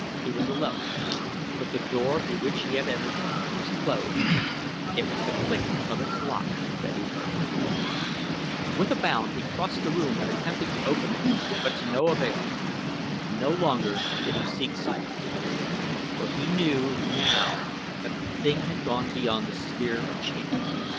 He was alone; but the door through which he had entered was closed it was the click of its lock that he had heard. With a bound he crossed the room and attempted to open it; but to no avail. No longer did he seek silence, for he knew now that the thing had gone beyond the sphere of chance.